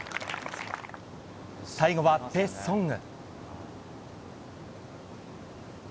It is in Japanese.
最後はペ・ソンウ。